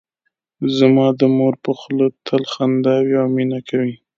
زما د مور په خوله تل خندا وي او مینه کوي